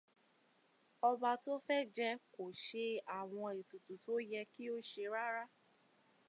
Ọba tó fẹ́ jẹ kò ṣe àwọn ètùtù tó yẹ kí ó ṣe rárá.